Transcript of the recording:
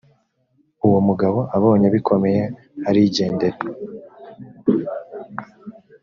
uwo mugabo abonye bikomeye arigendera.